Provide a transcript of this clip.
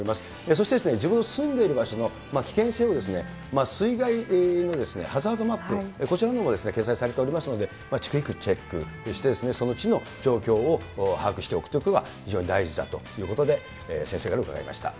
そして自分の住んでいる場所の危険性を水害のハザードマップ、こちらのほうが掲載されておりますので、逐一チェックして、その地の状況を把握しておくということが非常に大事だということで、先生から伺いました。